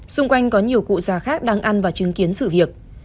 xung quanh có nhiều cụ già khác đang ăn và chứng kiến sự việc